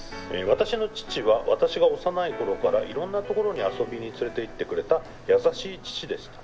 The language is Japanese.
「私の父は私が幼い頃からいろんな所に遊びに連れていってくれた優しい父でした」。